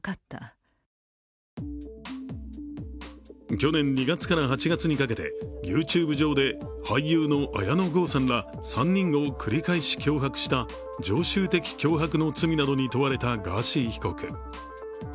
去年２月から８月にかけて、ＹｏｕＴｕｂｅ上で俳優の綾野剛さんら３人を繰り返し脅迫した常習的脅迫の罪などに問われたガーシー被告。